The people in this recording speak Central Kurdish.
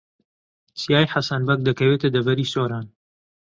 چیای حەسەن بەگ دەکەوێتە دەڤەری سۆران.